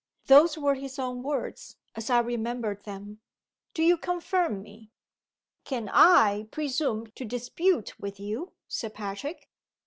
Those were his own words, as I remember them. Do you confirm me?" "Can I presume to dispute with you, Sir Patrick?